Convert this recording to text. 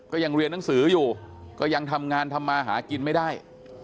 ยังเรียนหนังสืออยู่ก็ยังทำงานทำมาหากินไม่ได้